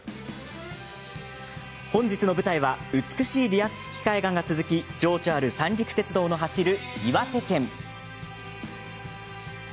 本日の舞台は美しいリアス式海岸が続き情緒ある三陸鉄道の走る岩手県。